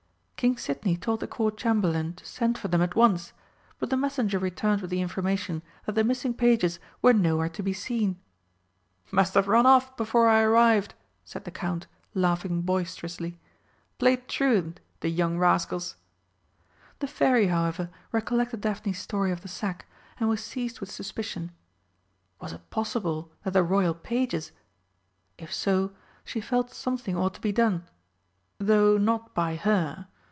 King Sidney told the Court Chamberlain to send for them at once, but the messenger returned with the information that the missing pages were nowhere to be seen. "Must have run off before I arrived," said the Count, laughing boisterously. "Played truant, the young rascals!" The Fairy, however, recollected Daphne's story of the sack, and was seized with suspicion. Was it possible that the royal pages ? If so, she felt something ought to be done though not by her.